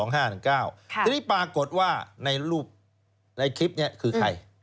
ทีนี้ปรากฏว่าในรูปในคลิปนี้คือใคร